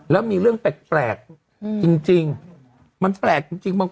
แล้วมีเรื่องแปลกแปลกอืมจริงจริงมันแปลกจริงจริง